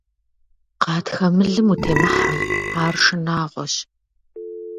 Гъатхэ мылым утемыхьэ, ар шынагъуэщ.